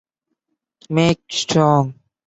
Make - Strong.